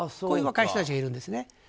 こういう若い人たちがいるんですね。